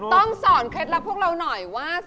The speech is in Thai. ต้องสอนเคล็ดลับพวกเราหน่อยว่า